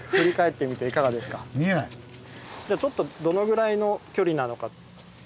じゃちょっとどのぐらいの距離なのか。